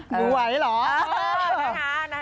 หนูไหวหรอ